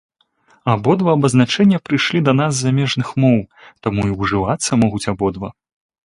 Абодва абазначэння прыйшлі да нас з замежных моў, таму і ўжывацца могуць абодва.